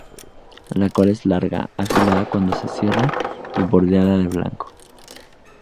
La cola es larga, afilada cuando se cierra y bordeada de blanco.